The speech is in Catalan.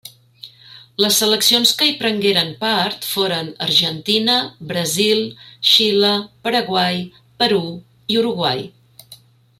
Les seleccions que hi prengueren part foren Argentina, Brasil, Xile, Paraguai, Perú, i Uruguai.